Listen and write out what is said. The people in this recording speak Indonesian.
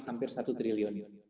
hampir satu triliun